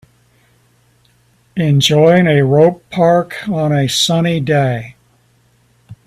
Enjoying a rope park on a sunny day.